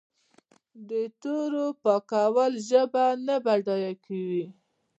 د تورو پاکول ژبه نه بډای کوي.